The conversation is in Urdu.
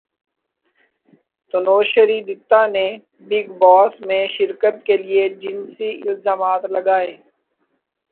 تنوشری دتہ نے بگ باس میں شرکت کیلئے جنسی الزامات لگائے